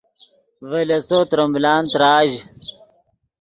ڤے لیسو ترے ملان تراژ